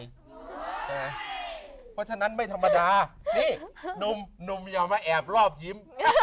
เพราะฉะนั้นไม่ธรรมดานี่หนุ่มอย่ามาแอบรอบยิ้ม